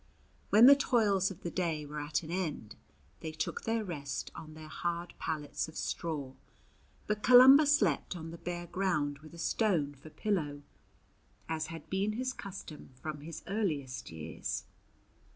When the toils of the day were at an end they took their rest on their hard pallets of straw; but Columba slept on the bare ground with a stone for pillow, as had been his custom from his earliest years.